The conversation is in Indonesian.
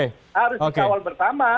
harus dikawal bersama